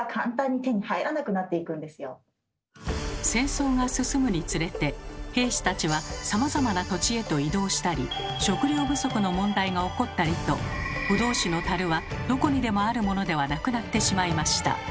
戦争が進むにつれて兵士たちはさまざまな土地へと移動したり食料不足の問題が起こったりとブドウ酒のタルはどこにでもあるものではなくなってしまいました。